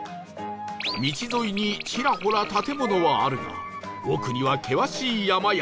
道沿いにちらほら建物はあるが奥には険しい山々